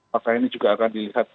pak kaini juga akan dilihat